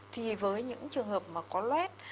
thì với những trường hợp mà có lết